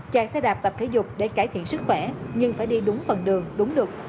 chạy xe đạp tập thể dục để cải thiện sức khỏe nhưng phải đi đúng phần đường đúng lực